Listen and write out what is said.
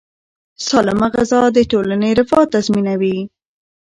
سالمه غذا د ټولنې رفاه تضمینوي.